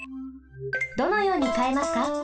どのようにかえますか？